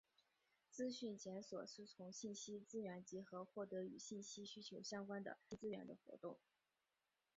资讯检索是从信息资源集合获得与信息需求相关的信息资源的活动。